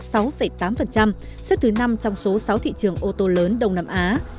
xếp thứ năm trong số sáu thị trường ô tô lớn đông nam á